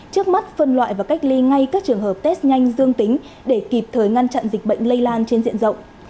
trước mắt phân loại và cách ly ngay các trường hợp test nhanh dương tính để kịp thời ngăn chặn dịch bệnh lây lan trên diện rộng